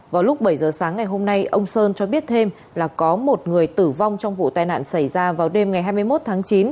vào lúc bảy giờ sáng ngày hôm nay ông sơn cho biết thêm là có một người tử vong trong vụ tai nạn xảy ra vào đêm ngày hai mươi một tháng chín